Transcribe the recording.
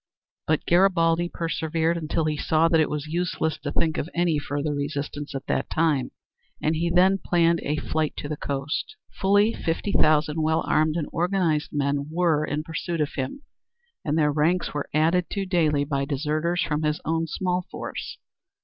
But Garibaldi persevered, until he saw that it was useless to think of any further resistance at that time, and he then planned a flight to the coast. Fully fifty thousand well armed and organized men were in pursuit of him, and their ranks were added to daily by deserters from his own small force.